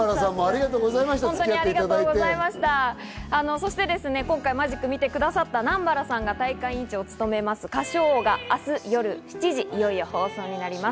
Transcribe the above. そして今回、マジックを見てくださった南原さんが大会委員長を務めます、『歌唱王』が明日夜７時、いよいよ放送になります。